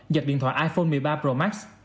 giật điện thoại iphone một mươi ba pro max